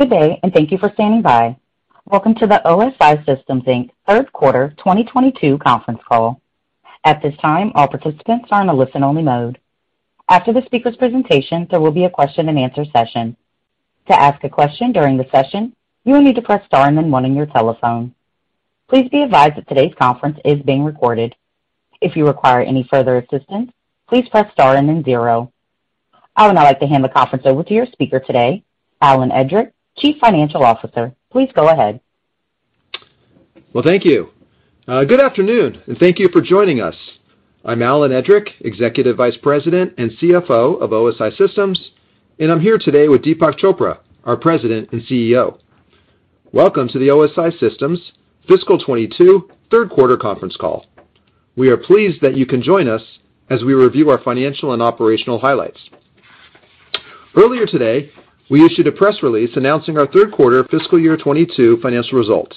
Good day, and thank you for standing by. Welcome to the OSI Systems, Inc. Third Quarter 2022 Conference Call. At this time, all participants are in a listen-only mode. After the speaker's presentation, there will be a question-and-answer session. To ask a question during the session, you will need to press star and then one on your telephone. Please be advised that today's conference is being recorded. If you require any further assistance, please press star and then zero. I would now like to hand the conference over to your speaker today, Alan Edrick, Chief Financial Officer. Please go ahead. Well, thank you. Good afternoon, and thank you for joining us. I'm Alan Edrick, Executive Vice President and CFO of OSI Systems, and I'm here today with Deepak Chopra, our President and CEO. Welcome to the OSI Systems Fiscal 2022 Third Quarter Conference Call. We are pleased that you can join us as we review our financial and operational highlights. Earlier today, we issued a press release announcing our third quarter fiscal year 2022 financial results.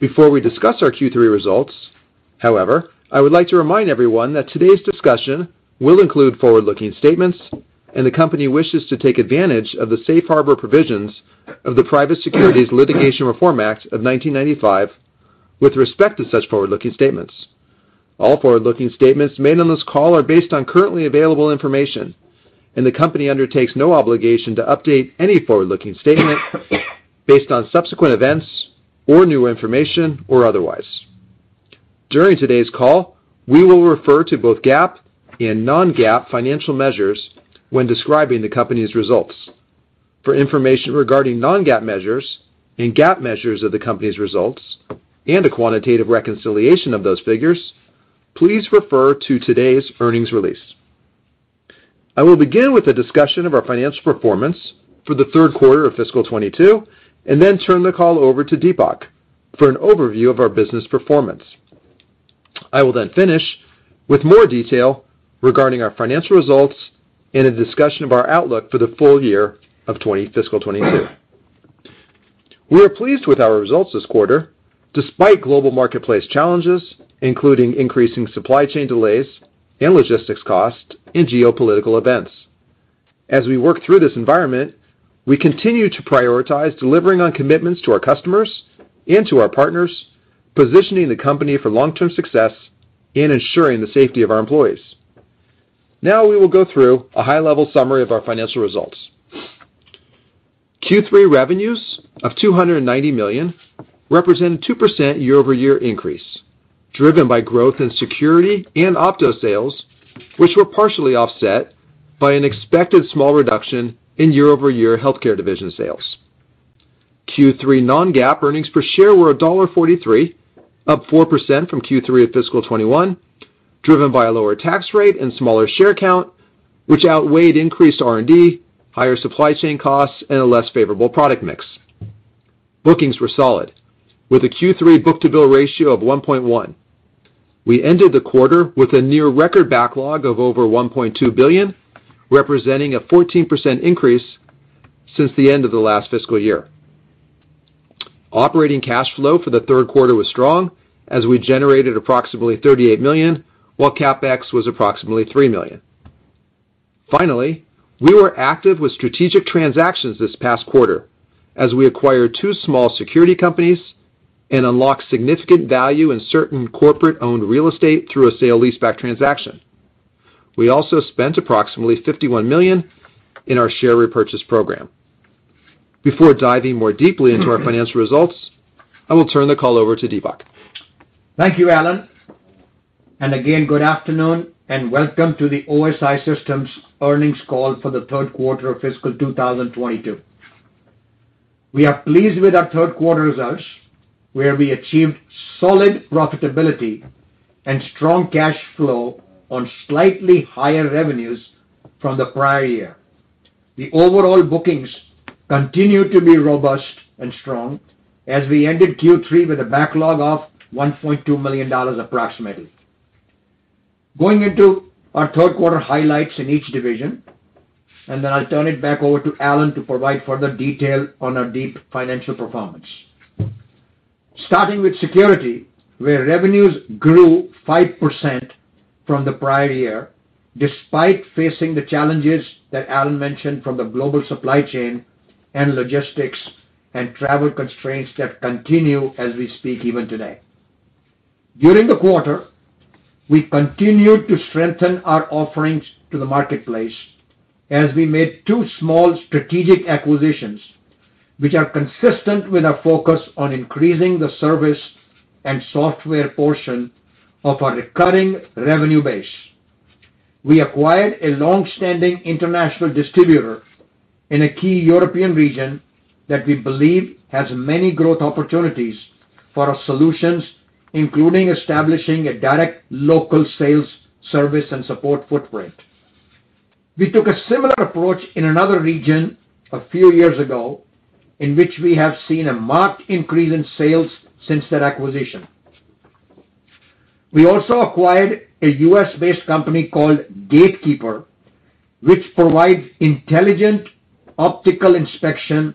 Before we discuss our Q3 results, however, I would like to remind everyone that today's discussion will include forward-looking statements, and the company wishes to take advantage of the safe harbor provisions of the Private Securities Litigation Reform Act of 1995 with respect to such forward-looking statements. All forward-looking statements made on this call are based on currently available information, and the company undertakes no obligation to update any forward-looking statement based on subsequent events or new information or otherwise. During today's call, we will refer to both GAAP and non-GAAP financial measures when describing the company's results. For information regarding non-GAAP measures and GAAP measures of the company's results and a quantitative reconciliation of those figures, please refer to today's earnings release. I will begin with a discussion of our financial performance for the third quarter of fiscal 2022 and then turn the call over to Deepak for an overview of our business performance. I will then finish with more detail regarding our financial results and a discussion of our outlook for the full year of fiscal 2022. We are pleased with our results this quarter, despite global marketplace challenges, including increasing supply chain delays and logistics costs in geopolitical events. As we work through this environment, we continue to prioritize delivering on commitments to our customers and to our partners, positioning the company for long-term success and ensuring the safety of our employees. Now we will go through a high-level summary of our financial results. Q3 revenues of $290 million represented 2% year-over-year increase, driven by growth in security and Opto sales, which were partially offset by an expected small reduction in year-over-year healthcare division sales. Q3 non-GAAP earnings per share were $1.43, up 4% from Q3 of fiscal 2021, driven by a lower tax rate and smaller share count, which outweighed increased R&D, higher supply chain costs, and a less favorable product mix. Bookings were solid, with a Q3 book-to-bill ratio of 1.1. We ended the quarter with a near record backlog of over $1.2 billion, representing a 14% increase since the end of the last fiscal year. Operating cash flow for the third quarter was strong as we generated approximately $38 million, while CapEx was approximately $3 million. Finally, we were active with strategic transactions this past quarter as we acquired two small security companies and unlocked significant value in certain corporate-owned real estate through a sale leaseback transaction. We also spent approximately $51 million in our share repurchase program. Before diving more deeply into our financial results, I will turn the call over to Deepak. Thank you, Alan. Again, good afternoon, and welcome to the OSI Systems earnings call for the third quarter of fiscal 2022. We are pleased with our third quarter results, where we achieved solid profitability and strong cash flow on slightly higher revenues from the prior year. The overall bookings continue to be robust and strong as we ended Q3 with a backlog of $1.2 million approximately. Going into our third quarter highlights in each division, and then I'll turn it back over to Alan to provide further detail on our detailed financial performance. Starting with security, where revenues grew 5% from the prior year, despite facing the challenges that Alan mentioned from the global supply chain and logistics and travel constraints that continue as we speak even today. During the quarter, we continued to strengthen our offerings to the marketplace as we made two small strategic acquisitions, which are consistent with our focus on increasing the service and software portion of our recurring revenue base. We acquired a long-standing international distributor in a key European region that we believe has many growth opportunities for our solutions, including establishing a direct local sales service and support footprint. We took a similar approach in another region a few years ago, in which we have seen a marked increase in sales since that acquisition. We also acquired a U.S.-based company called Gatekeeper, which provides intelligent optical inspection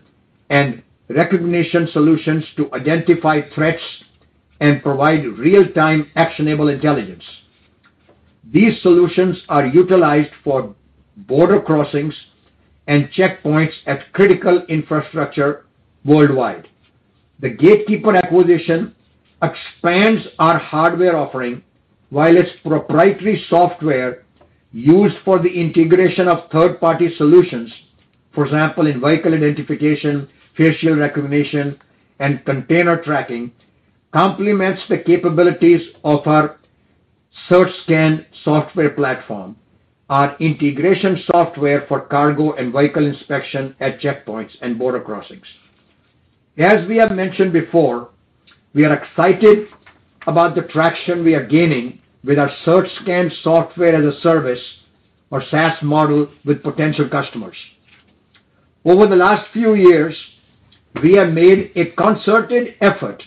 and recognition solutions to identify threats and provide real-time actionable intelligence. These solutions are utilized for border crossings and checkpoints at critical infrastructure worldwide. The Gatekeeper acquisition expands our hardware offering, while its proprietary software used for the integration of third-party solutions, for example, in vehicle identification, facial recognition, and container tracking, complements the capabilities of our CertScan software platform, our integration software for cargo and vehicle inspection at checkpoints and border crossings. We have mentioned before, we are excited about the traction we are gaining with our CertScan software as a service, or SaaS model, with potential customers. Over the last few years, we have made a concerted effort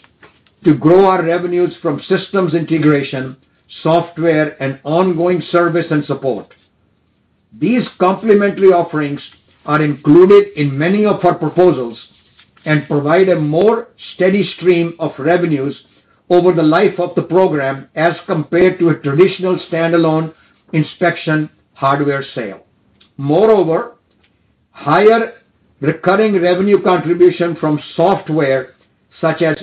to grow our revenues from systems integration, software, and ongoing service and support. These complementary offerings are included in many of our proposals and provide a more steady stream of revenues over the life of the program as compared to a traditional standalone inspection hardware sale. Moreover, higher recurring revenue contribution from software such as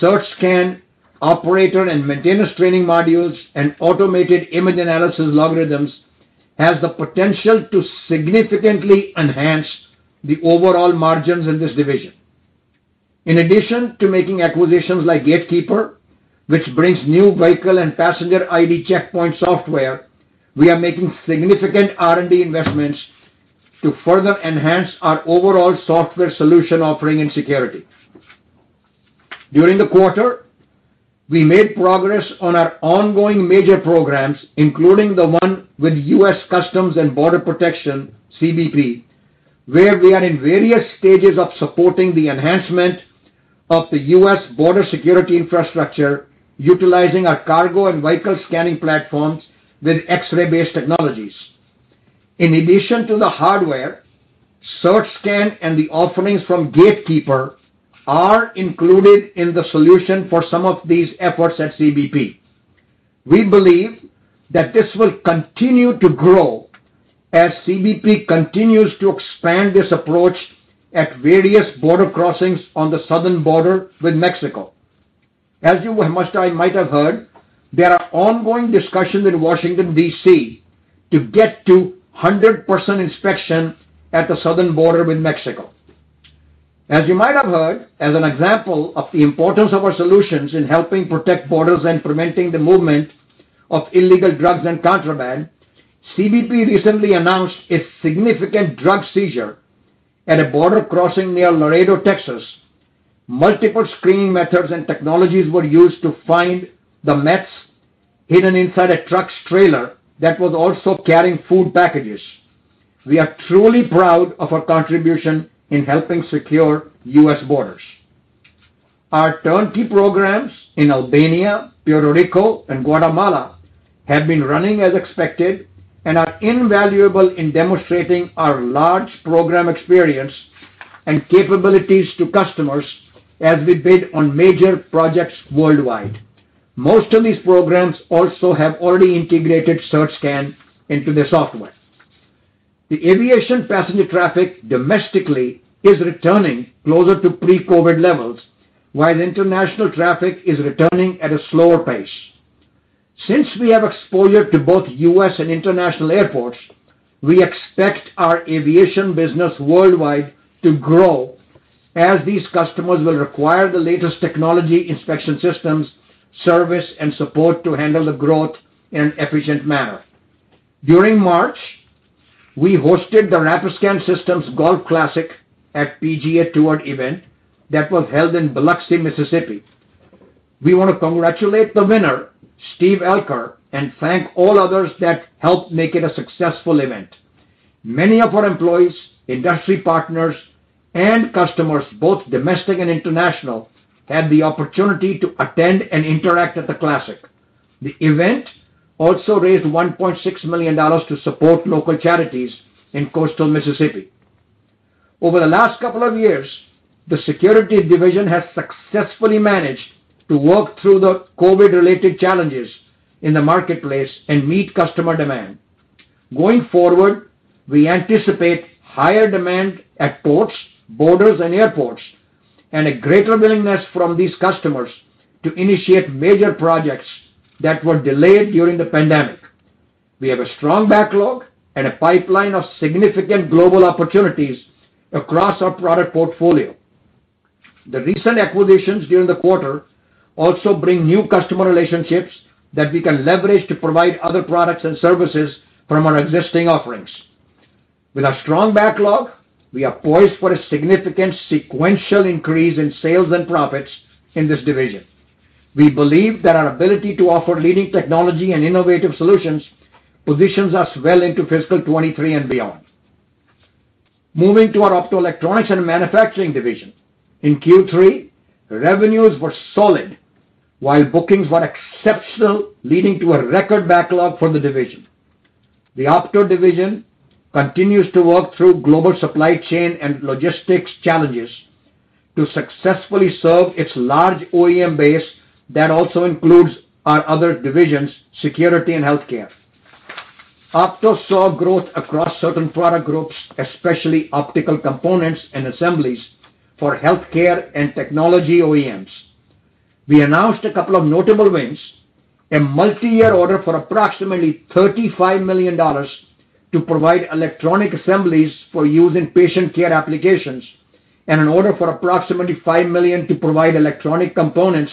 CertScan operator and maintenance training modules and automated image analysis algorithms has the potential to significantly enhance the overall margins in this division. In addition to making acquisitions like Gatekeeper, which brings new vehicle and passenger ID checkpoint software, we are making significant R&D investments to further enhance our overall software solution offering in security. During the quarter, we made progress on our ongoing major programs, including the one with U.S. Customs and Border Protection, CBP, where we are in various stages of supporting the enhancement of the U.S. border security infrastructure utilizing our cargo and vehicle scanning platforms with X-ray-based technologies. In addition to the hardware, CertScan and the offerings from Gatekeeper are included in the solution for some of these efforts at CBP. We believe that this will continue to grow as CBP continues to expand this approach at various border crossings on the southern border with Mexico. As you might have heard, there are ongoing discussions in Washington, D.C., to get to 100% inspection at the southern border with Mexico. As you might have heard, as an example of the importance of our solutions in helping protect borders and preventing the movement of illegal drugs and contraband, CBP recently announced a significant drug seizure at a border crossing near Laredo, Texas. Multiple screening methods and technologies were used to find the meth hidden inside a truck's trailer that was also carrying food packages. We are truly proud of our contribution in helping secure U.S. borders. Our turnkey programs in Albania, Puerto Rico, and Guatemala have been running as expected and are invaluable in demonstrating our large program experience and capabilities to customers as we bid on major projects worldwide. Most of these programs also have already integrated CertScan into their software. The aviation passenger traffic domestically is returning closer to pre-COVID levels, while international traffic is returning at a slower pace. Since we have exposure to both U.S. and international airports, we expect our aviation business worldwide to grow as these customers will require the latest technology inspection systems, service, and support to handle the growth in an efficient manner. During March, we hosted the Rapiscan Systems Golf Classic at PGA Tour event that was held in Biloxi, Mississippi. We wanna congratulate the winner, Steve Alker, and thank all others that helped make it a successful event. Many of our employees, industry partners, and customers, both domestic and international, had the opportunity to attend and interact at the Classic. The event also raised $1.6 million to support local charities in coastal Mississippi. Over the last couple of years, the security division has successfully managed to work through the COVID-related challenges in the marketplace and meet customer demand. Going forward, we anticipate higher demand at ports, borders, and airports, and a greater willingness from these customers to initiate major projects that were delayed during the pandemic. We have a strong backlog and a pipeline of significant global opportunities across our product portfolio. The recent acquisitions during the quarter also bring new customer relationships that we can leverage to provide other products and services from our existing offerings. With our strong backlog, we are poised for a significant sequential increase in sales and profits in this division. We believe that our ability to offer leading technology and innovative solutions positions us well into fiscal 2023 and beyond. Moving to our Optoelectronics and Manufacturing division. In Q3, revenues were solid, while bookings were exceptional, leading to a record backlog for the division. The Opto division continues to work through global supply chain and logistics challenges to successfully serve its large OEM base that also includes our other divisions, security and healthcare. Opto saw growth across certain product groups, especially optical components and assemblies for healthcare and technology OEMs. We announced a couple of notable wins, a multi-year order for approximately $35 million to provide electronic assemblies for use in patient care applications, and an order for approximately $5 million to provide electronic components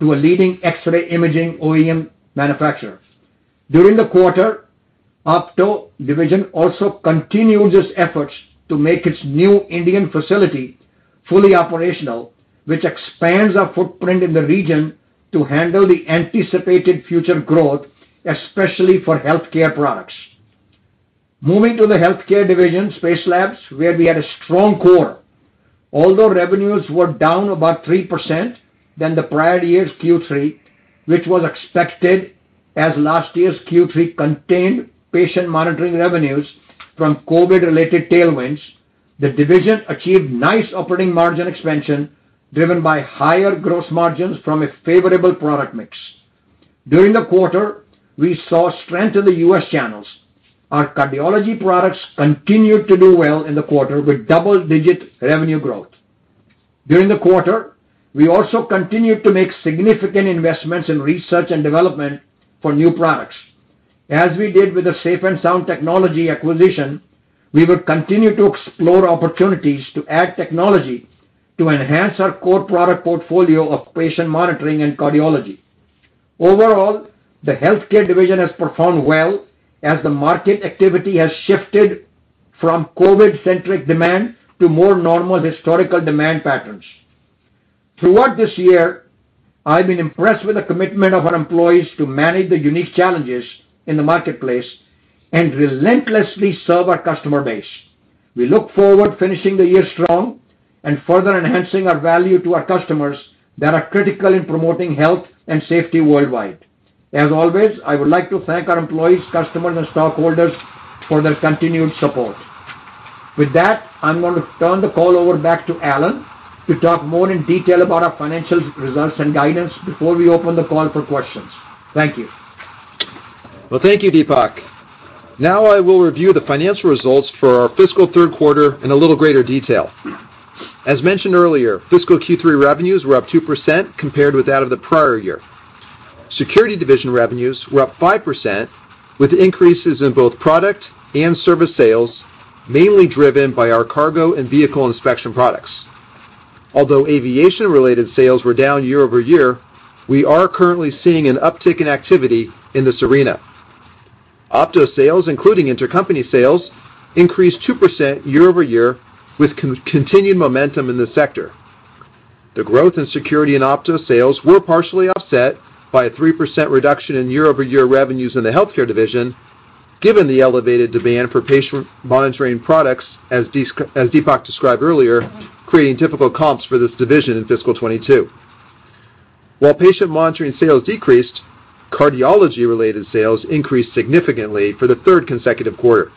to a leading X-ray imaging OEM manufacturer. During the quarter, Opto division also continued its efforts to make its new Indian facility fully operational, which expands our footprint in the region to handle the anticipated future growth, especially for healthcare products. Moving to the healthcare division, Spacelabs, where we had a strong core. Although revenues were down about 3% than the prior year's Q3, which was expected as last year's Q3 contained patient monitoring revenues from COVID-related tailwinds, the division achieved nice operating margin expansion driven by higher gross margins from a favorable product mix. During the quarter, we saw strength in the U.S. channels. Our cardiology products continued to do well in the quarter with double-digit revenue growth. During the quarter, we also continued to make significant investments in research and development for new products. As we did with the Safe and Sound Technology acquisition, we will continue to explore opportunities to add technology to enhance our core product portfolio of patient monitoring and cardiology. Overall, the Healthcare division has performed well as the market activity has shifted from COVID-centric demand to more normal historical demand patterns. Throughout this year, I've been impressed with the commitment of our employees to manage the unique challenges in the marketplace and relentlessly serve our customer base. We look forward to finishing the year strong and further enhancing our value to our customers that are critical in promoting health and safety worldwide. As always, I would like to thank our employees, customers, and stockholders for their continued support. With that, I'm going to turn the call over back to Alan to talk more in detail about our financial results and guidance before we open the call for questions. Thank you. Well, thank you, Deepak. Now I will review the financial results for our fiscal third quarter in a little greater detail. As mentioned earlier, fiscal Q3 revenues were up 2% compared with that of the prior year. Security division revenues were up 5% with increases in both product and service sales, mainly driven by our cargo and vehicle inspection products. Although aviation-related sales were down year-over-year, we are currently seeing an uptick in activity in this arena. Opto sales, including intercompany sales, increased 2% year-over-year with continued momentum in the sector. The growth in security and Opto sales were partially offset by a 3% reduction in year-over-year revenues in the Healthcare division, given the elevated demand for patient monitoring products, as Deepak described earlier, creating difficult comps for this division in fiscal 2022. While patient monitoring sales decreased, cardiology-related sales increased significantly for the third consecutive quarter.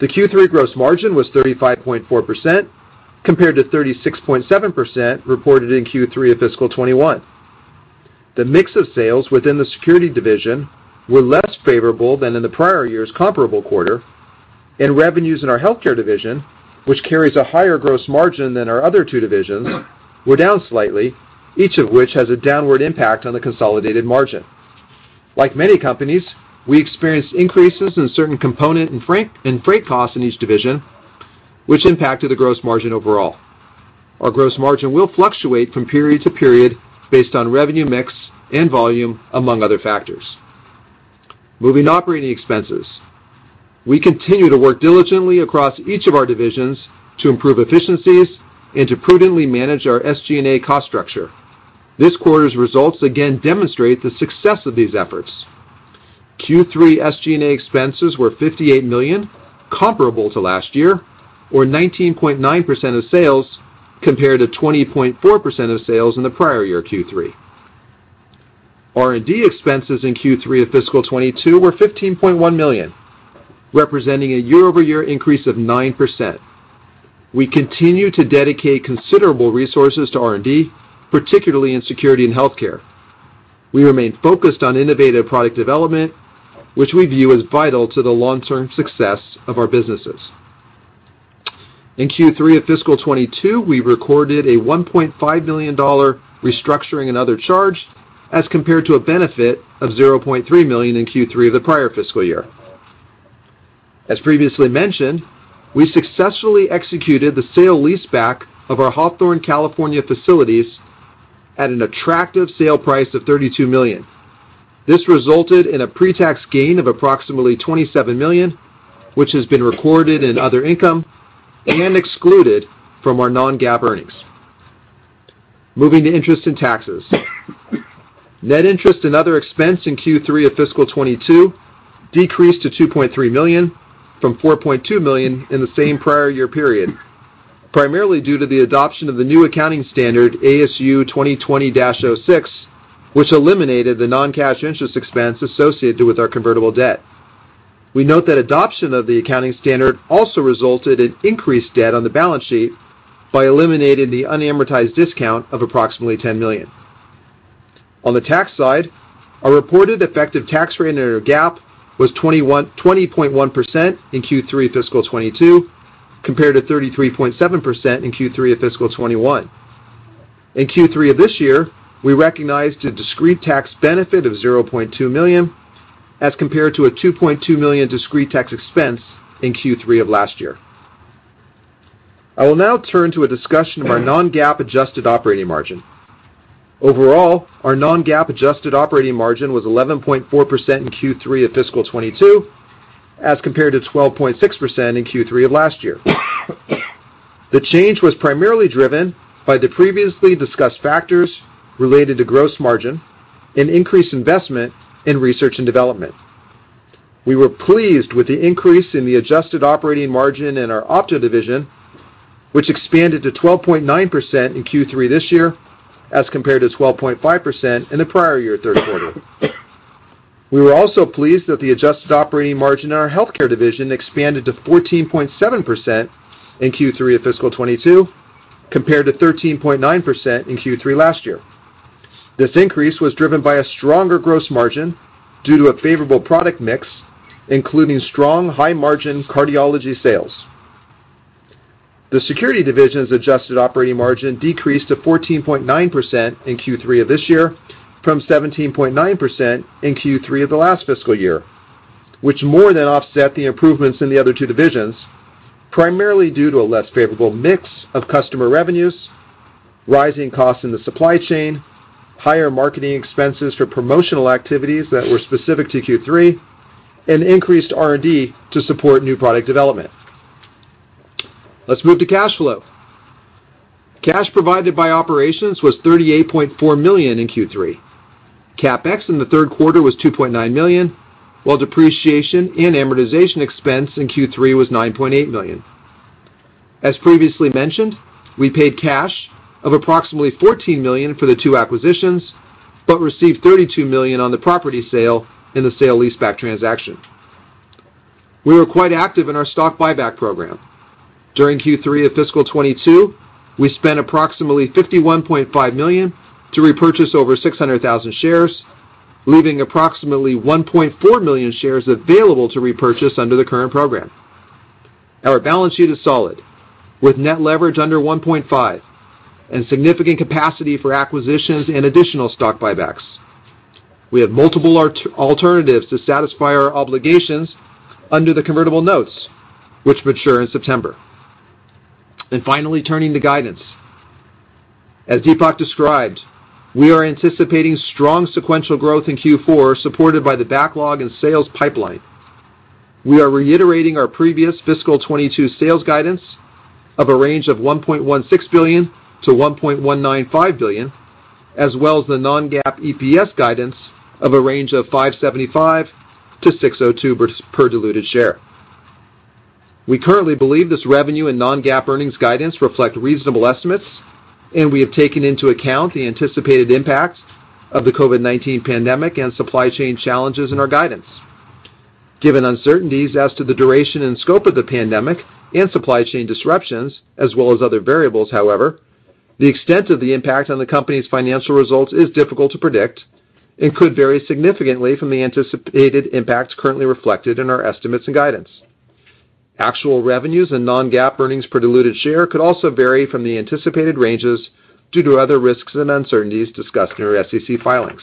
The Q3 gross margin was 35.4% compared to 36.7% reported in Q3 of fiscal 2021. The mix of sales within the security division were less favorable than in the prior year's comparable quarter, and revenues in our healthcare division, which carries a higher gross margin than our other two divisions, were down slightly, each of which has a downward impact on the consolidated margin. Like many companies, we experienced increases in certain component and freight costs in each division, which impacted the gross margin overall. Our gross margin will fluctuate from period to period based on revenue mix and volume, among other factors. Moving to operating expenses. We continue to work diligently across each of our divisions to improve efficiencies and to prudently manage our SG&A cost structure. This quarter's results again demonstrate the success of these efforts. Q3 SG&A expenses were $58 million, comparable to last year, or 19.9% of sales, compared to 20.4% of sales in the prior-year Q3. R&D expenses in Q3 of fiscal 2022 were $15.1 million, representing a year-over-year increase of 9%. We continue to dedicate considerable resources to R&D, particularly in security and healthcare. We remain focused on innovative product development, which we view as vital to the long-term success of our businesses. In Q3 of fiscal 2022, we recorded a $1.5 million restructuring and other charge as compared to a benefit of $0.3 million in Q3 of the prior fiscal year. As previously mentioned, we successfully executed the sale-leaseback of our Hawthorne, California facilities at an attractive sale price of $32 million. This resulted in a pre-tax gain of approximately $27 million, which has been recorded in other income and excluded from our non-GAAP earnings. Moving to interest and taxes. Net interest and other expense in Q3 of fiscal 2022 decreased to $2.3 million from $4.2 million in the same prior year period. Primarily due to the adoption of the new accounting standard ASU 2020-06, which eliminated the non-cash interest expense associated with our convertible debt. We note that adoption of the accounting standard also resulted in increased debt on the balance sheet by eliminating the unamortized discount of approximately $10 million. On the tax side, our reported effective tax rate under GAAP was 20.1% in Q3 fiscal 2022, compared to 33.7% in Q3 of fiscal 2021. In Q3 of this year, we recognized a discrete tax benefit of $0.2 million, as compared to a $2.2 million discrete tax expense in Q3 of last year. I will now turn to a discussion of our non-GAAP adjusted operating margin. Overall, our non-GAAP adjusted operating margin was 11.4% in Q3 of fiscal 2022, as compared to 12.6% in Q3 of last year. The change was primarily driven by the previously discussed factors related to gross margin and increased investment in research and development. We were pleased with the increase in the adjusted operating margin in our Opto division, which expanded to 12.9% in Q3 this year, as compared to 12.5% in the prior year third quarter. We were also pleased that the adjusted operating margin in our healthcare division expanded to 14.7% in Q3 of fiscal 2022, compared to 13.9% in Q3 last year. This increase was driven by a stronger gross margin due to a favorable product mix, including strong high-margin cardiology sales. The security division's adjusted operating margin decreased to 14.9% in Q3 of this year from 17.9% in Q3 of the last fiscal year, which more than offset the improvements in the other two divisions, primarily due to a less favorable mix of customer revenues, rising costs in the supply chain, higher marketing expenses for promotional activities that were specific to Q3, and increased R&D to support new product development. Let's move to cash flow. Cash provided by operations was $38.4 million in Q3. CapEx in the third quarter was $2.9 million, while depreciation and amortization expense in Q3 was $9.8 million. As previously mentioned, we paid cash of approximately $14 million for the two acquisitions, but received $32 million on the property sale in the sale leaseback transaction. We were quite active in our stock buyback program. During Q3 of fiscal 2022, we spent approximately $51.5 million to repurchase over 600,000 shares, leaving approximately 1.4 million shares available to repurchase under the current program. Our balance sheet is solid, with net leverage under 1.5 and significant capacity for acquisitions and additional stock buybacks. We have multiple alternatives to satisfy our obligations under the convertible notes, which mature in September. Finally, turning to guidance. As Deepak described, we are anticipating strong sequential growth in Q4, supported by the backlog and sales pipeline. We are reiterating our previous fiscal 2022 sales guidance of a range of $1.16 billion-$1.195 billion, as well as the non-GAAP EPS guidance of a range of $5.75-$6.02 per diluted share. We currently believe this revenue and non-GAAP earnings guidance reflect reasonable estimates, and we have taken into account the anticipated impact of the COVID-19 pandemic and supply chain challenges in our guidance. Given uncertainties as to the duration and scope of the pandemic and supply chain disruptions, as well as other variables, however, the extent of the impact on the company's financial results is difficult to predict and could vary significantly from the anticipated impacts currently reflected in our estimates and guidance. Actual revenues and non-GAAP earnings per diluted share could also vary from the anticipated ranges due to other risks and uncertainties discussed in our SEC filings.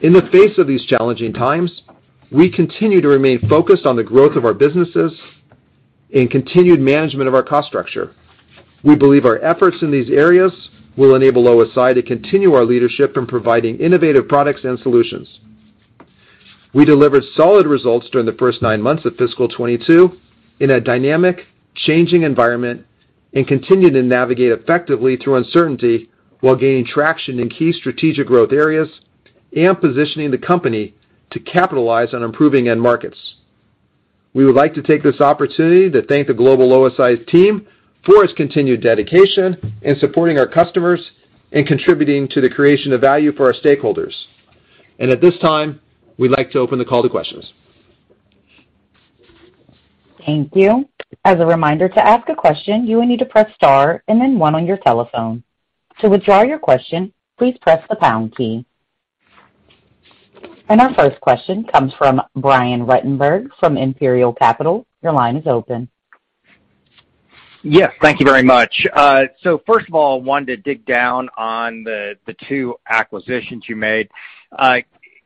In the face of these challenging times, we continue to remain focused on the growth of our businesses and continued management of our cost structure. We believe our efforts in these areas will enable OSI to continue our leadership in providing innovative products and solutions. We delivered solid results during the first nine months of fiscal 2022 in a dynamic, changing environment and continue to navigate effectively through uncertainty while gaining traction in key strategic growth areas and positioning the company to capitalize on improving end markets. We would like to take this opportunity to thank the global OSI team for its continued dedication in supporting our customers and contributing to the creation of value for our stakeholders. At this time, we'd like to open the call to questions. Thank you. As a reminder, to ask a question, you will need to press star and then one on your telephone. To withdraw your question, please press the pound key. Our first question comes from Brian Ruttenbur from Imperial Capital. Your line is open. Yes, thank you very much. First of all, I wanted to dig down on the two acquisitions you made.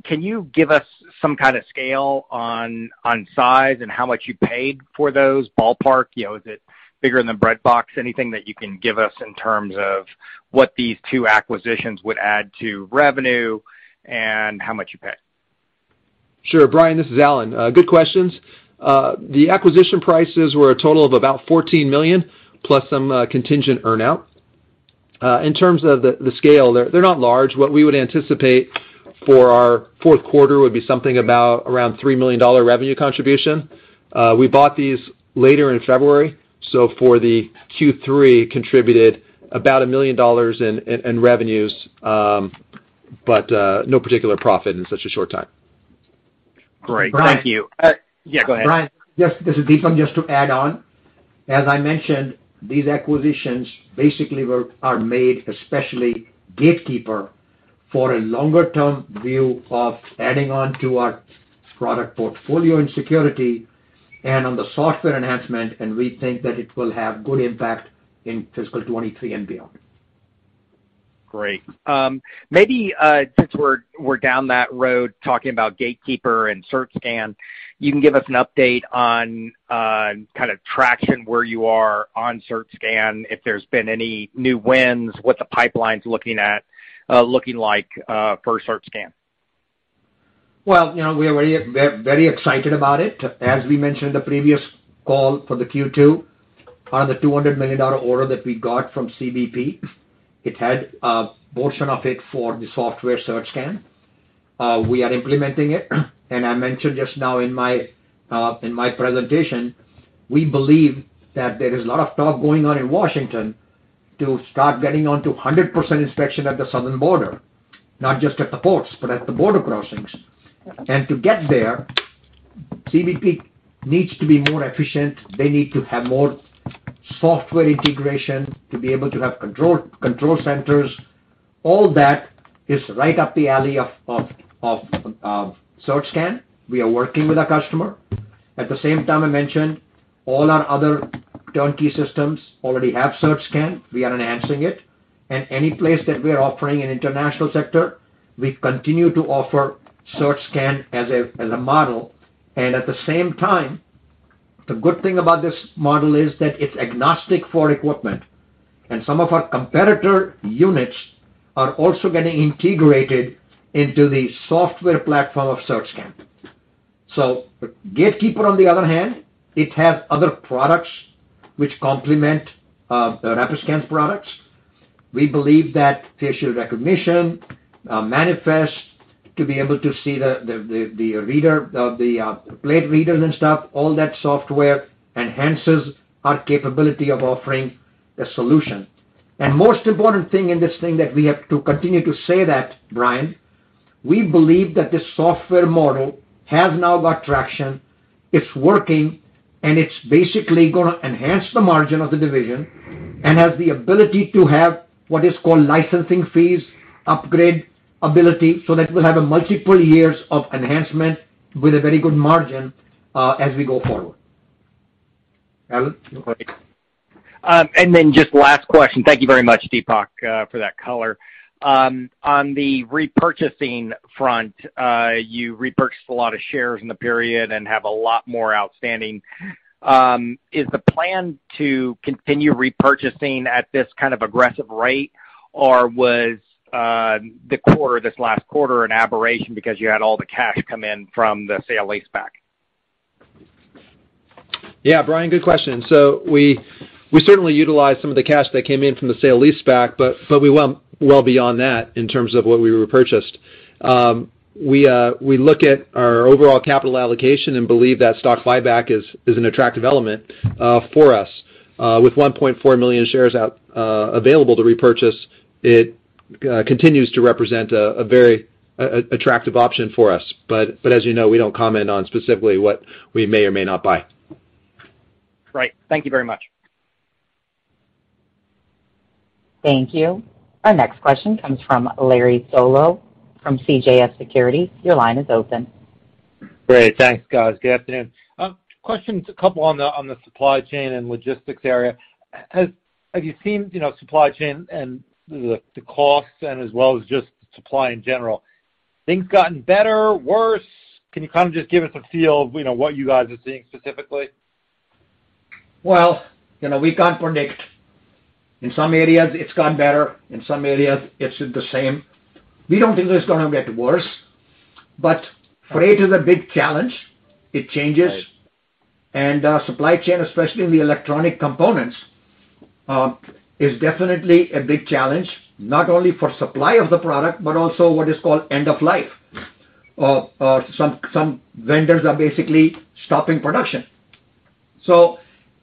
Can you give us some kind of scale on size and how much you paid for those ballpark? You know, is it bigger than Breadbox? Anything that you can give us in terms of what these two acquisitions would add to revenue and how much you paid? Sure. Brian Ruttenbur, this is Alan Edrick. Good questions. The acquisition prices were a total of about $14 million plus some contingent earn-out. In terms of the scale, they're not large. What we would anticipate for our fourth quarter would be something about around $3 million revenue contribution. We bought these later in February, so for the Q3 contributed about $1 million in revenues, but no particular profit in such a short time. Great. Thank you. Brian. Yeah, go ahead. Brian, yes, this is Deepak. Just to add on. As I mentioned, these acquisitions basically are made, especially Gatekeeper, for a longer-term view of adding on to our product portfolio and security and on the software enhancement, and we think that it will have good impact in fiscal 2023 and beyond. Great. Maybe since we're down that road talking about Gatekeeper and CertScan, you can give us an update on kinda traction where you are on CertScan, if there's been any new wins, what the pipeline's looking like for CertScan. Well, you know, we are very, very excited about it. As we mentioned the previous call for the Q2, on the $200 million order that we got from CBP, it had a portion of it for the software CertScan. We are implementing it. I mentioned just now in my presentation, we believe that there is a lot of talk going on in Washington to start getting on to 100% inspection at the southern border, not just at the ports, but at the border crossings. To get there, CBP needs to be more efficient. They need to have more software integration to be able to have control centers. All that is right up the alley of CertScan. We are working with a customer. At the same time, I mentioned all our other turnkey systems already have CertScan. We are enhancing it. Any place that we are offering an international sector, we continue to offer CertScan as a model. At the same time, the good thing about this model is that it's agnostic for equipment, and some of our competitor units are also getting integrated into the software platform of CertScan. Gatekeeper on the other hand, it has other products which complement the Rapiscan's products. We believe that facial recognition, manifest to be able to see the reader, the plate readers and stuff, all that software enhances our capability of offering a solution. Most important thing in this thing that we have to continue to say that, Brian, we believe that this software model has now got traction, it's working, and it's basically gonna enhance the margin of the division and has the ability to have what is called licensing fees, upgrade ability, so that we'll have a multiple years of enhancement with a very good margin, as we go forward. Alan? Great. Just last question. Thank you very much, Deepak, for that color. On the repurchasing front, you repurchased a lot of shares in the period and have a lot more outstanding. Is the plan to continue repurchasing at this kind of aggressive rate, or was this last quarter an aberration because you had all the cash come in from the sale leaseback? Yeah. Brian, good question. We certainly utilized some of the cash that came in from the sale leaseback, but we went well beyond that in terms of what we repurchased. We look at our overall capital allocation and believe that stock buyback is an attractive element for us. With 1.4 million shares out available to repurchase, it continues to represent a very attractive option for us. But as you know, we don't comment on specifically what we may or may not buy. Right. Thank you very much. Thank you. Our next question comes from Larry Solow from CJS Securities. Your line is open. Great. Thanks, guys. Good afternoon. A couple questions on the supply chain and logistics area. Have you seen, you know, supply chain and the costs, as well as just supply in general, things gotten better, worse? Can you kind of just give us a feel of, you know, what you guys are seeing specifically? Well, you know, we can't predict. In some areas, it's gotten better. In some areas, it's the same. We don't think it's gonna get worse, but freight is a big challenge. It changes. Right. Supply chain, especially in the electronic components, is definitely a big challenge, not only for supply of the product, but also what is called end of life. Some vendors are basically stopping production.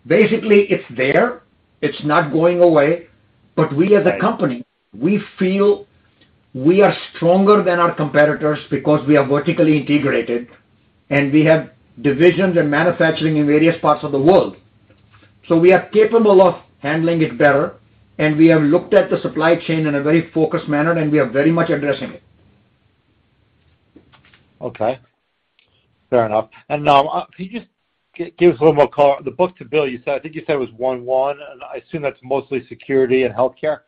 Basically it's there, it's not going away. We as a company, we feel we are stronger than our competitors because we are vertically integrated, and we have divisions and manufacturing in various parts of the world. We are capable of handling it better, and we have looked at the supply chain in a very focused manner, and we are very much addressing it. Okay. Fair enough. Now, can you just give us a little more color. The book-to-bill, you said, I think you said was 1.1, and I assume that's mostly security and healthcare.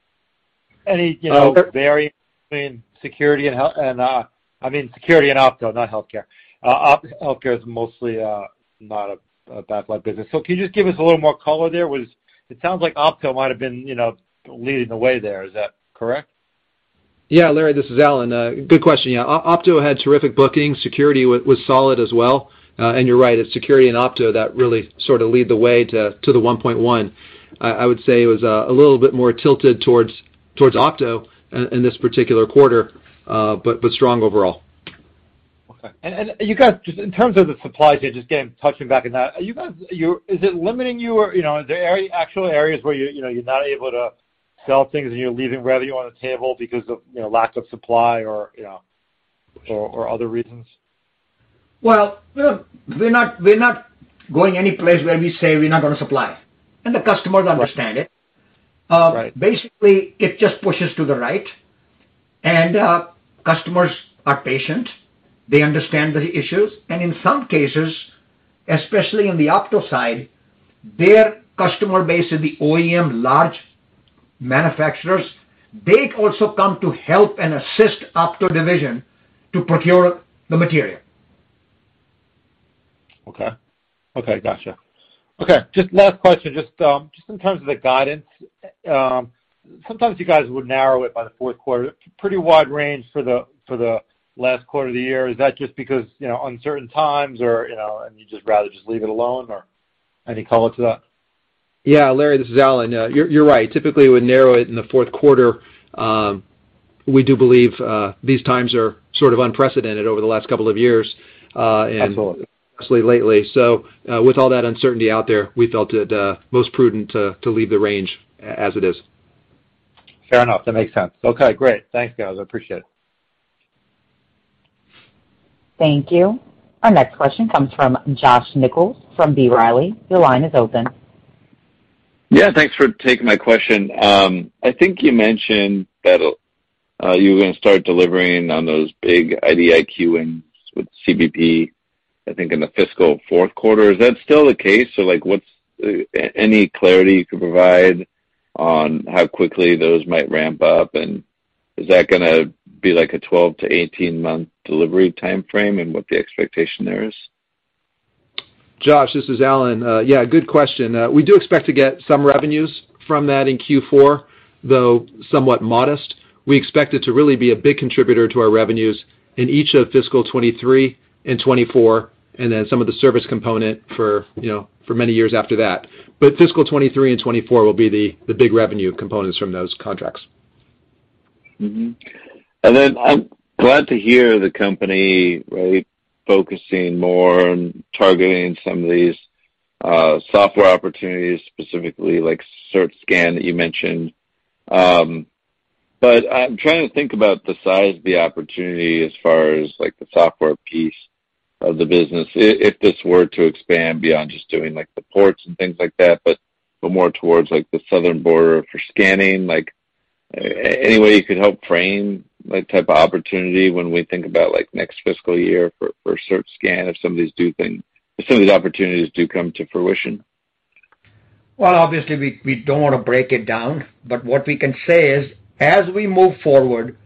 Any variation, you know, between security and healthcare. I mean, security and Opto, not healthcare. Healthcare is mostly not a backlog business. So can you just give us a little more color there? It sounds like Opto might have been, you know, leading the way there. Is that correct? Yeah, Larry, this is Alan. Good question. Yeah. Opto had terrific bookings. Security was solid as well. You're right, it's Security and Opto that really sort of lead the way to the 1.1. I would say it was a little bit more tilted towards Opto in this particular quarter, but strong overall. Okay. You guys, just in terms of the supply issues you're just getting, touching base on that. Is it limiting you or, you know, are there actual areas where you're, you know, you're not able to sell things and you're leaving revenue on the table because of, you know, lack of supply or, you know, or other reasons? Well, we're not going anyplace where we say we're not gonna supply. The customers understand it. Right. Basically, it just pushes to the right. Customers are patient. They understand the issues. In some cases, especially on the Opto side, their customer base is the OEM large manufacturers. They also come to help and assist Opto division to procure the material. Okay. Okay, gotcha. Okay, just last question. Just in terms of the guidance, sometimes you guys would narrow it by the fourth quarter. Pretty wide range for the last quarter of the year. Is that just because, you know, uncertain times or, you know, and you'd just rather just leave it alone or any comments to that? Yeah. Larry, this is Alan. You're right. Typically, we narrow it in the fourth quarter. We do believe these times are sort of unprecedented over the last couple of years. Absolutely. Actually lately, with all that uncertainty out there, we felt it most prudent to leave the range as it is. Fair enough. That makes sense. Okay, great. Thanks, guys. I appreciate it. Thank you. Our next question comes from Josh Nichols from B. Riley. Your line is open. Yeah, thanks for taking my question. I think you mentioned that you were gonna start delivering on those big IDIQ and with CBP, I think, in the fiscal fourth quarter. Is that still the case? Any clarity you could provide on how quickly those might ramp up? Is that gonna be like a 12-18-month delivery timeframe and what the expectation there is? Josh, this is Alan. Yeah, good question. We do expect to get some revenues from that in Q4, though somewhat modest. We expect it to really be a big contributor to our revenues in each of fiscal 2023 and 2024, and then some of the service component for, you know, for many years after that. Fiscal 2023 and 2024 will be the big revenue components from those contracts. I'm glad to hear the company, right, focusing more on targeting some of these software opportunities, specifically like CertScan that you mentioned. I'm trying to think about the size of the opportunity as far as like the software piece of the business, if this were to expand beyond just doing like the ports and things like that, but go more towards like the southern border for scanning, like any way you could help frame that type of opportunity when we think about like next fiscal year for CertScan, if some of these opportunities do come to fruition. Well, obviously we don't wanna break it down, but what we can say is as we move forward,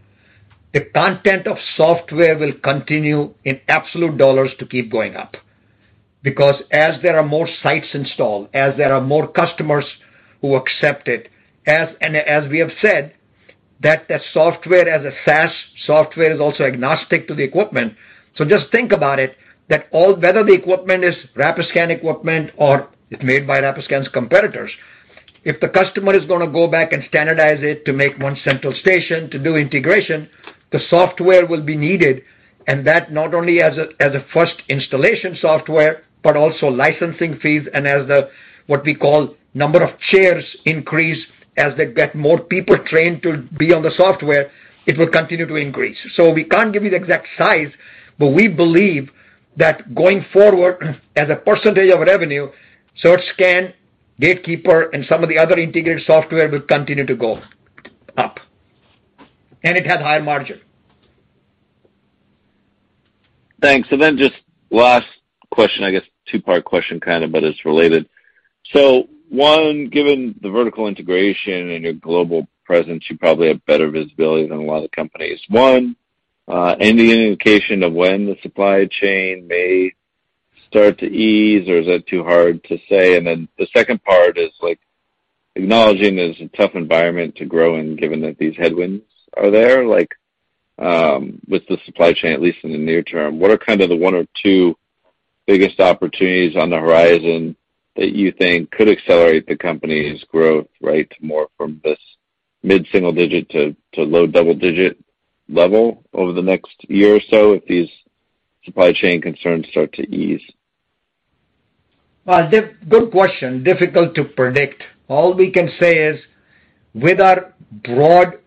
the content of software will continue in absolute dollars to keep going up. Because as there are more sites installed, as there are more customers who accept it, and as we have said that the software as a SaaS software is also agnostic to the equipment. So just think about it, that all, whether the equipment is Rapiscan equipment or it's made by Rapiscan's competitors, if the customer is gonna go back and standardize it to make one central station to do integration, the software will be needed, and that not only as a first installation software, but also licensing fees and as the what we call number of chairs increase, as they get more people trained to be on the software, it will continue to increase. We can't give you the exact size, but we believe that going forward, as a percentage of revenue, CertScan, Gatekeeper, and some of the other integrated software will continue to go up. It has high margin. Thanks. Just last question, I guess two-part question kind of, but it's related. One, given the vertical integration and your global presence, you probably have better visibility than a lot of companies. One, any indication of when the supply chain may start to ease or is that too hard to say? The second part is like acknowledging it's a tough environment to grow in, given that these headwinds are there, like, with the supply chain, at least in the near term, what are kind of the one or two biggest opportunities on the horizon that you think could accelerate the company's growth, right, more from this mid-single digit to low double-digit level over the next year or so if these supply chain concerns start to ease? Well, good question. Difficult to predict. All we can say is with our broad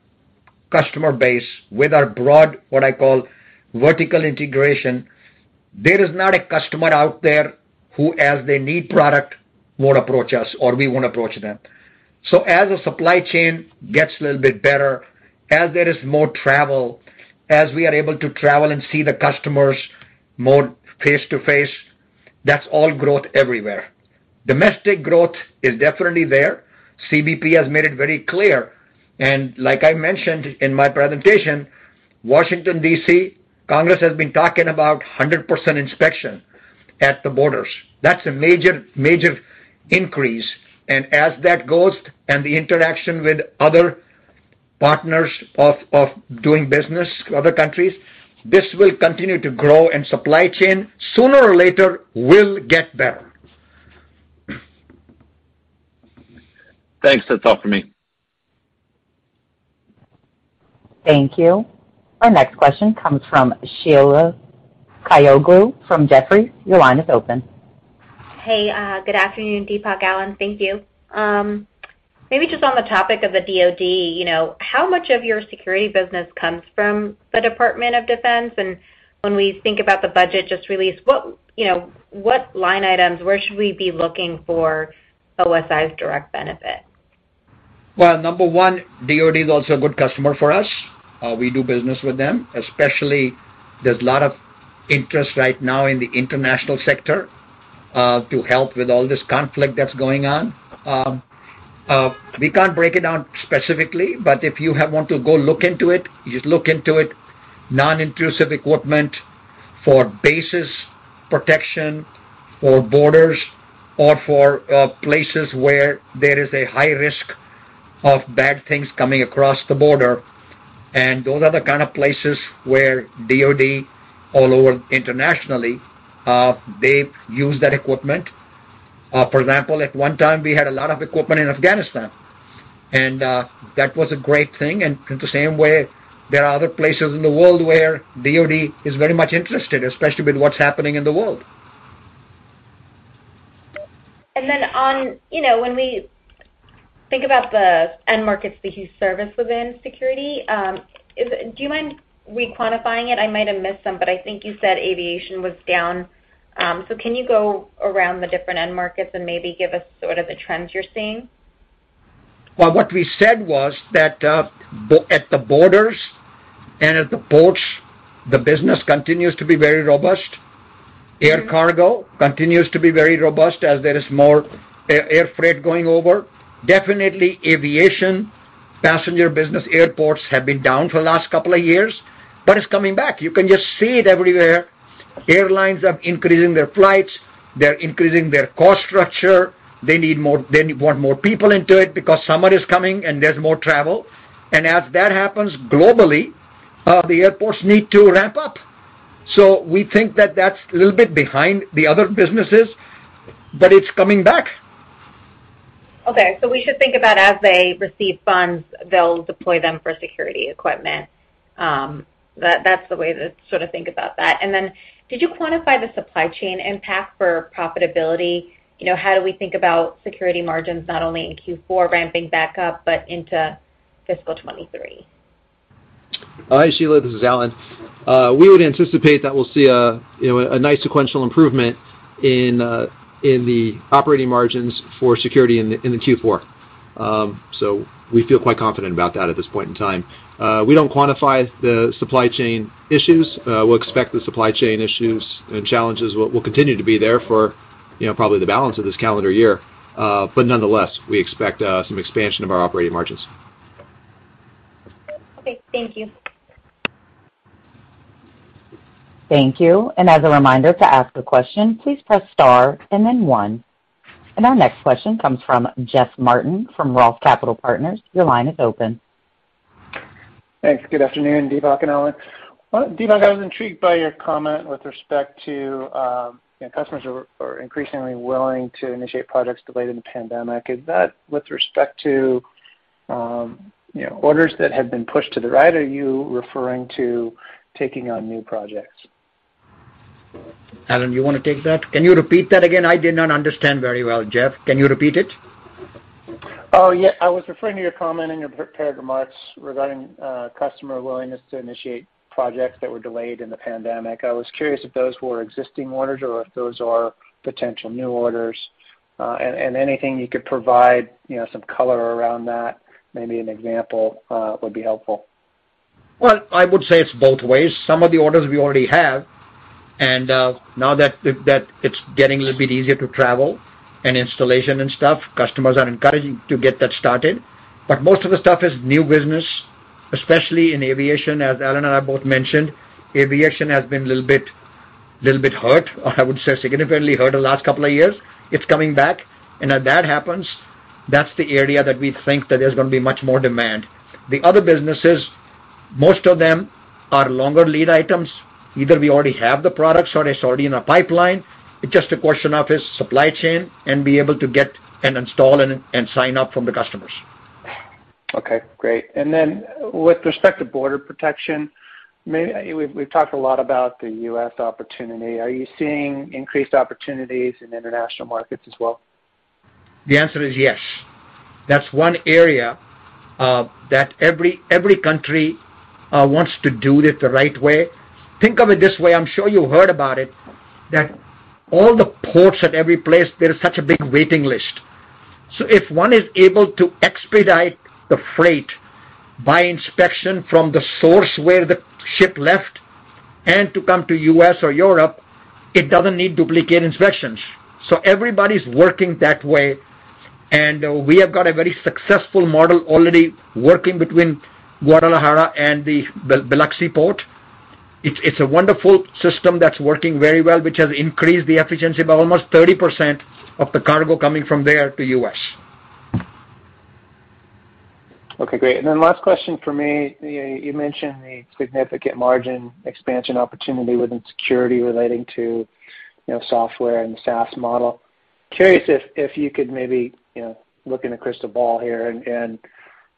customer base, with our broad, what I call vertical integration, there is not a customer out there who as they need product, won't approach us or we won't approach them. As the supply chain gets a little bit better, as there is more travel, as we are able to travel and see the customers more face-to-face, that's all growth everywhere. Domestic growth is definitely there. CBP has made it very clear, and like I mentioned in my presentation, Washington, D.C., Congress has been talking about 100% inspection at the borders. That's a major increase. As that goes, and the interaction with other partners of doing business, other countries, this will continue to grow, and supply chain, sooner or later, will get better. Thanks. That's all for me. Thank you. Our next question comes from Sheila Kahyaoglu from Jefferies. Your line is open. Hey, good afternoon, Deepak, Alan. Thank you. Maybe just on the topic of the DoD, you know, how much of your security business comes from the Department of Defense? When we think about the budget just released, what, you know, what line items, where should we be looking for OSI's direct benefit? Well, number one, DoD is also a good customer for us. We do business with them, especially there's a lot of interest right now in the international sector, to help with all this conflict that's going on. We can't break it down specifically, but if you want to go look into it, you look into it, non-intrusive equipment for bases protection or borders or for places where there is a high risk of bad things coming across the border. Those are the kind of places where DoD all over internationally they use that equipment. For example, at one time, we had a lot of equipment in Afghanistan, and that was a great thing. In the same way, there are other places in the world where DoD is very much interested, especially with what's happening in the world. On, you know, when we think about the end markets that you service within security, do you mind re-quantifying it? I might have missed some, but I think you said aviation was down. Can you go around the different end markets and maybe give us sort of the trends you're seeing? Well, what we said was that at the borders and at the ports, the business continues to be very robust. Air cargo continues to be very robust as there is more air freight going over. Definitely aviation, passenger business, airports have been down for the last couple of years, but it's coming back. You can just see it everywhere. Airlines are increasing their flights. They're increasing their cost structure. They want more people into it because summer is coming, and there's more travel. As that happens globally, the airports need to ramp up. We think that that's a little bit behind the other businesses, but it's coming back. We should think about as they receive funds, they'll deploy them for security equipment. That's the way to sort of think about that. Did you quantify the supply chain impact for profitability? You know, how do we think about security margins, not only in Q4 ramping back up, but into fiscal 2023? Hi, Sheila. This is Alan. We would anticipate that we'll see you know a nice sequential improvement in the operating margins for security in the Q4. We feel quite confident about that at this point in time. We don't quantify the supply chain issues. We'll expect the supply chain issues and challenges will continue to be there for you know probably the balance of this calendar year. Nonetheless, we expect some expansion of our operating margins. Okay. Thank you. Thank you. As a reminder, to ask a question, please press star and then one. Our next question comes from Jeff Martin from ROTH Capital Partners. Your line is open. Thanks. Good afternoon, Deepak and Alan. Well, Deepak, I was intrigued by your comment with respect to, you know, customers are increasingly willing to initiate projects delayed in the pandemic. Is that with respect to, you know, orders that have been pushed to the right, or are you referring to taking on new projects? Alan, do you wanna take that? Can you repeat that again? I did not understand very well, Jeff. Can you repeat it? Oh, yeah, I was referring to your comment in your pre-prepared remarks regarding customer willingness to initiate projects that were delayed in the pandemic. I was curious if those were existing orders or if those are potential new orders. Anything you could provide, you know, some color around that, maybe an example, would be helpful. Well, I would say it's both ways. Some of the orders we already have, and now that it's getting a little bit easier to travel and installation and stuff, customers are encouraging to get that started. Most of the stuff is new business, especially in aviation, as Alan and I both mentioned. Aviation has been a little bit hurt, or I would say significantly hurt the last couple of years. It's coming back. As that happens, that's the area that we think that there's gonna be much more demand. The other businesses, most of them are longer lead items. Either we already have the products or it's already in our pipeline. It's just a question of its supply chain and be able to get and install and sign up from the customers. Okay, great. With respect to border protection, we've talked a lot about the U.S. opportunity. Are you seeing increased opportunities in international markets as well? The answer is yes. That's one area that every country wants to do it the right way. Think of it this way, I'm sure you heard about it, that all the ports at every place, there is such a big waiting list. So if one is able to expedite the freight by inspection from the source where the ship left and to come to U.S. or Europe, it doesn't need duplicate inspections. So everybody's working that way. We have got a very successful model already working between Guadalajara and the Laredo port. It's a wonderful system that's working very well, which has increased the efficiency by almost 30% of the cargo coming from there to U.S. Okay, great. Last question for me. You mentioned the significant margin expansion opportunity within security relating to, you know, software and SaaS model. Curious if you could maybe, you know, look in the crystal ball here and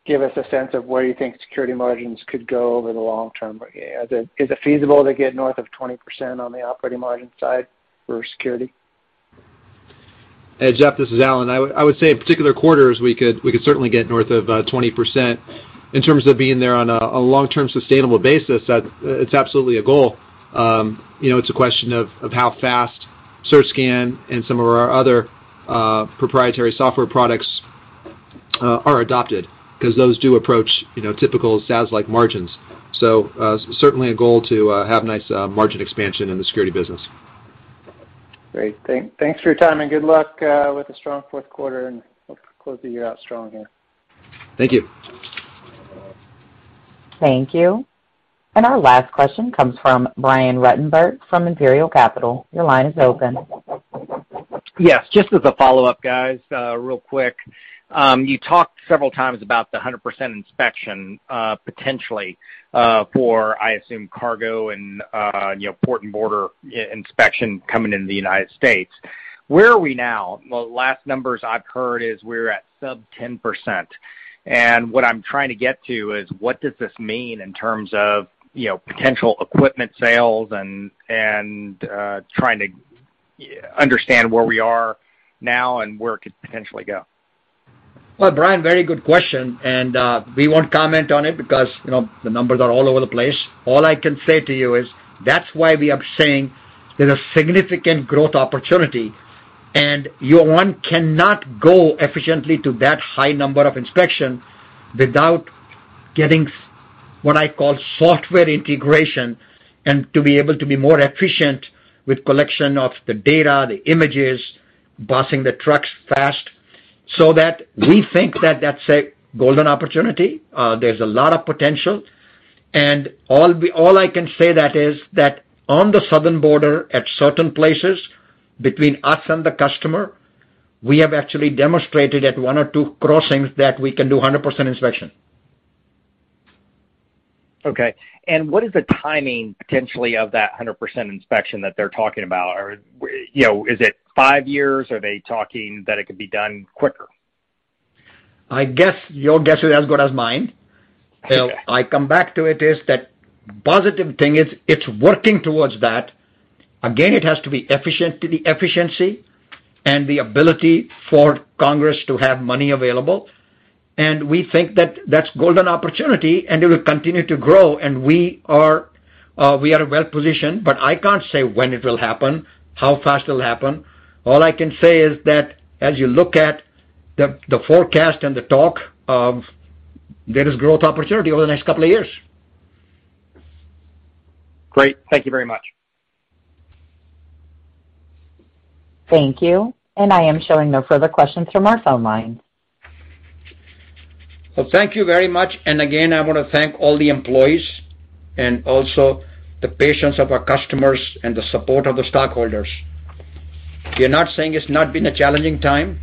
give us a sense of where you think security margins could go over the long term. Is it feasible to get north of 20% on the operating margin side for security? Hey, Jeff, this is Alan. I would say in particular quarters, we could certainly get north of 20%. In terms of being there on a long-term sustainable basis, that's absolutely a goal. You know, it's a question of how fast CertScan and some of our other proprietary software products are adopted, 'cause those do approach typical SaaS-like margins. So certainly a goal to have nice margin expansion in the security business. Great. Thanks for your time, and good luck with a strong fourth quarter, and hope you close the year out strong here. Thank you. Thank you. Our last question comes from Brian Ruttenbur from Imperial Capital. Your line is open. Yes. Just as a follow-up, guys, real quick. You talked several times about the 100% inspection, potentially, for, I assume, cargo and, you know, port and border inspection coming into the United States. Where are we now? The last numbers I've heard is we're at sub 10%. What I'm trying to get to is what does this mean in terms of, you know, potential equipment sales and trying to understand where we are now and where it could potentially go. Well, Brian, very good question. We won't comment on it because, you know, the numbers are all over the place. All I can say to you is that's why we are saying there's a significant growth opportunity. One cannot go efficiently to that high number of inspection without getting what I call software integration and to be able to be more efficient with collection of the data, the images, busing the trucks fast. That we think that that's a golden opportunity. There's a lot of potential. All I can say that is that on the southern border, at certain places between us and the customer, we have actually demonstrated at one or two crossings that we can do 100% inspection. Okay. What is the timing potentially of that 100% inspection that they're talking about? You know, is it five years? Are they talking that it could be done quicker? I guess your guess is as good as mine. Okay. I come back to it is that positive thing is it's working towards that. Again, it has to be efficient to the efficiency and the ability for Congress to have money available. We think that that's golden opportunity, and it will continue to grow. We are well-positioned, but I can't say when it will happen, how fast it'll happen. All I can say is that as you look at the forecast and the talk of there is growth opportunity over the next couple of years. Great. Thank you very much. Thank you. I am showing no further questions from our phone lines. Well, thank you very much. Again, I wanna thank all the employees and also the patience of our customers and the support of the stockholders. We're not saying it's not been a challenging time.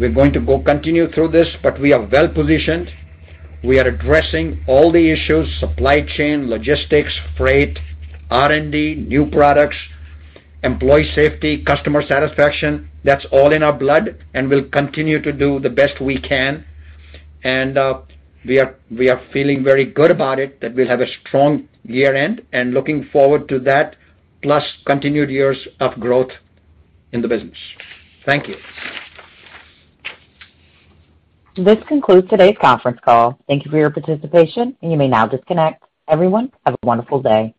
We're going to continue through this, but we are well-positioned. We are addressing all the issues, supply chain, logistics, freight, R&D, new products, employee safety, customer satisfaction. That's all in our blood, and we'll continue to do the best we can. We are feeling very good about it, that we'll have a strong year-end and looking forward to that, plus continued years of growth in the business. Thank you. This concludes today's conference call. Thank you for your participation, and you may now disconnect. Everyone, have a wonderful day.